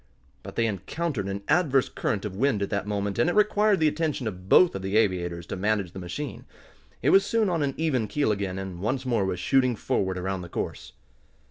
But they encountered an adverse current of wind at that moment, and it required the attention of both of the aviators to manage the machine. It was soon on an even keel again, and once more was shooting forward around the course.